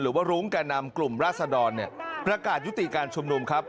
หรือว่ารุ้งแก่นำกลุ่มราศดรประกาศยุติการชุมนุมครับ